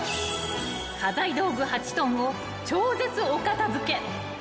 ［家財道具８ｔを超絶お片付け］